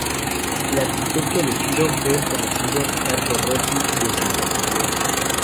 El arquitecto elegido fue el conocido Carlo Rossi de San Petersburgo.